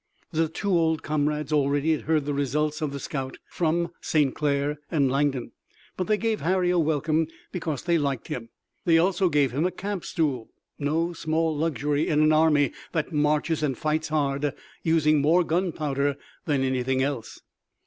The two old comrades already had heard the results of the scout from St. Clair and Langdon, but they gave Harry a welcome because they liked him. They also gave him a camp stool, no small luxury in an army that marches and fights hard, using more gunpowder than anything else.